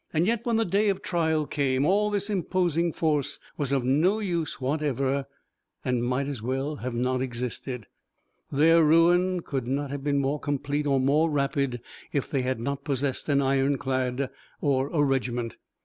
Yet when the day of trial came, all this imposing force was of no use whatever, and might as well have not existed. Their ruin could not have been more complete or more rapid if they had not possessed an ironclad or a regiment.